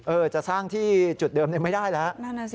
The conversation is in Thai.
จะสร้างที่จุดเดิมไม่ได้แล้ว